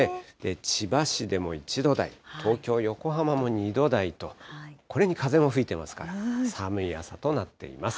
千葉市でも１度台、東京、横浜も２度台と、これに風も吹いてますから、寒い朝となっています。